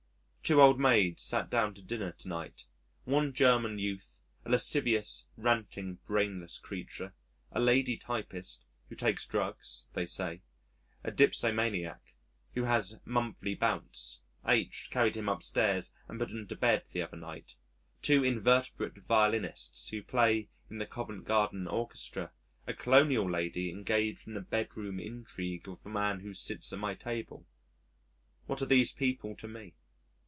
Two old maids sat down to dinner to night, one German youth (a lascivious, ranting, brainless creature), a lady typist (who takes drugs they say), a dipsomaniac (who has monthly bouts H carried him upstairs and put him to bed the other night), two invertebrate violinists who play in the Covent Garden Orchestra, a colonial lady engaged in a bedroom intrigue with a man who sits at my table. What are these people to me?